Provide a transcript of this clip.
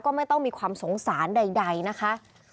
ก็ไม่ต้องมีความสงสารใดนะคะ